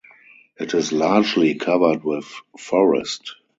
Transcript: It is largely covered with forest.